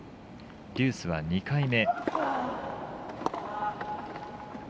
デュースは２回目。